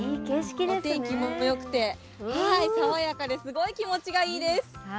お天気もよくて爽やかですごい気持ちがいいです。